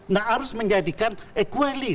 nah harus menjadikan equal